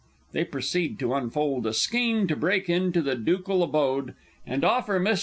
[They proceed to unfold a scheme to break into the Ducal abode, and offer Miss J.